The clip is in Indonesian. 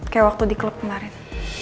kayak waktu di klub kemarin